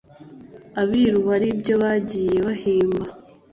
Abiru hari ibyo bagiye bahimba